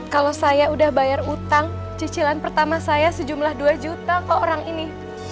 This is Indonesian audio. kalau saya udah bayar utang cicilan pertama saya sejumlah dua juta kok orang ini